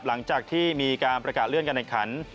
หลังจากที่มีการประกาศเลื่อนการแข่งขัน